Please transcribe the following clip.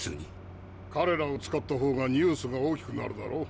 彼らを使ったほうがニュースが大きくなるだろう。